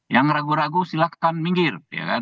yang ragu ragu silahkan minggir